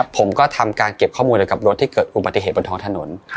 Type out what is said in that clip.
ผมก็ทำการเก็บข้อมูลไปกับรถที่เกิดอุบัติเหตุบนท้องถนน